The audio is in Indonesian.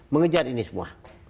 mengejar ini semua